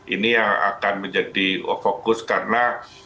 ini yang akan menjadi fokus karena